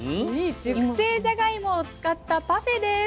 熟成じゃがいもを使ったパフェです。